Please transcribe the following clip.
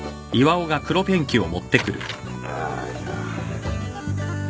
よいしょ。